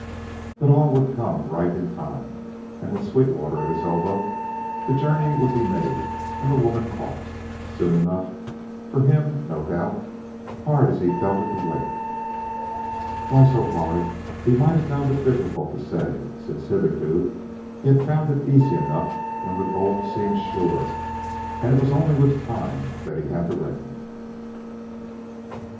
But all would come right in time; and with Sweetwater at his elbow, the journey would be made and the woman caught, soon enough for him no doubt, hard as he felt it to wait. Why so hard, he might have found it difficult to say, since hitherto he had found it easy enough when the goal seemed sure and it was only with time he had to reckon!